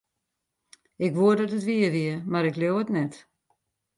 Ik woe dat it wier wie, mar ik leau it net.